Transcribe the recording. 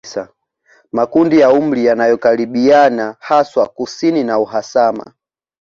Makundi ya umri yanayokaribiana haswa kusini na uhasama